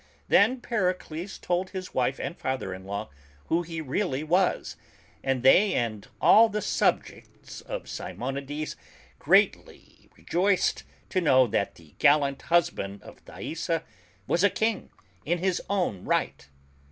Then Pericles told his wife and father in law who he really^was, and they and all the subjects of Simonides greatly rejoiced to know that the gallant hus band of Thaisa was a King in his own right.